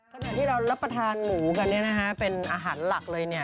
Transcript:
ขณะที่เรารับประทานหมูกันเป็นอาหารหลักเลย